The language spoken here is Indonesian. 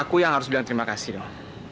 aku yang harus bilang terima kasih dong